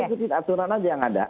kita ikuti aturan aja yang ada